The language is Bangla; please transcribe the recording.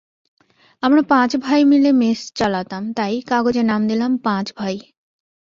আমরা পাঁচ ভাই মিলে মেস চালাতাম, তাই কাগজে নাম দিলাম পাঁচভাই।